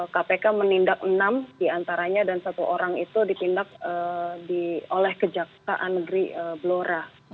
kpk menindak enam diantaranya dan satu orang itu ditindak oleh kejaksaan negeri blora